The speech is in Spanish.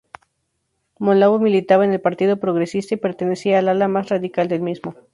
Monlau militaba en el Partido Progresista y pertenecía al ala más radical del mismo.